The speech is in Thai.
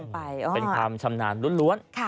เป็นความชำนาญล้วน